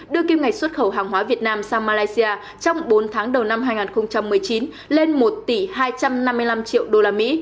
đưa kim ngạch xuất khẩu hàng hóa việt nam sang malaysia trong bốn tháng đầu năm hai nghìn một mươi chín lên một tỷ hai trăm năm mươi năm triệu usd